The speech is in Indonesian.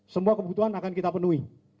semua kebutuhan akan kita penuhi